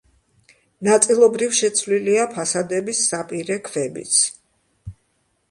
ნაწილობრივ შეცვლილია ფასადების საპირე ქვებიც.